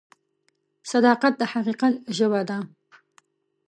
صداقت د حقیقت ژبه ده.